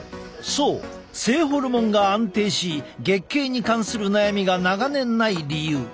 そう性ホルモンが安定し月経に関する悩みが長年ない理由。